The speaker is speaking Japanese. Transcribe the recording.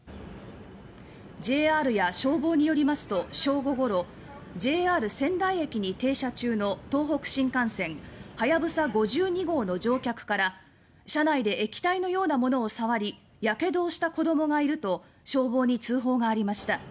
ＪＲや消防によりますと正午ごろ、ＪＲ仙台駅に停車中の東北新幹線はやぶさ５２号の乗客から「車内で液体のようなものを触りやけどをした子どもがいる」と消防に通報がありました。